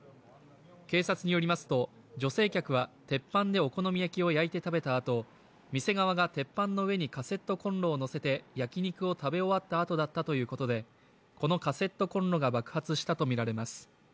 警察によりますと女性客は鉄板でお好み焼きを焼いて食べたあと店側が鉄板の上にカセットこんろをのせて焼肉を食べ終わったあとだったということでこのカセットこんろが爆発したとみられます。